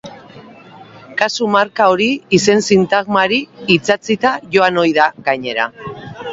Kasu-marka hori izen-sintagmari itsatsia joan ohi da, gainera.